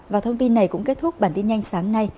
và thông tin này cũng kết thúc bản tin nhanh sáng nay